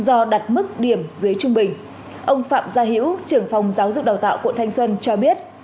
ông phạm gia hiễu trưởng phòng giáo dục đào tạo quận thanh xuân cho biết